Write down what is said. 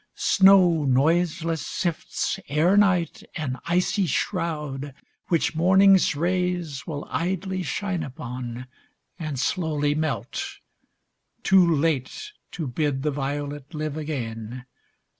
Snow noiseless sifts Ere night, an icy shroud, which morning's rays Willidly shine upon and slowly melt, Too late to bid the violet live again.